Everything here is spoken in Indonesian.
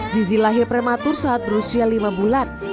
zizi lahir prematur saat berusia lima bulan